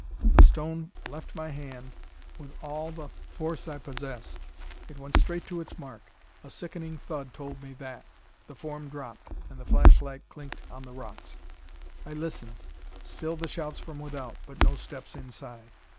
The stone left my hand with all the force I possessed. It went straight to its mark: a sickening thud told me that. The form dropped, and the flashlight clinked on the rocks. I listened. Still the shouts from without, but no steps inside.